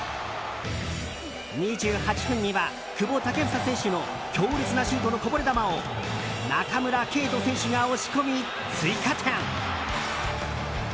２８分には久保建英選手の強烈なシュートのこぼれ球を中村敬斗選手が押し込み追加点。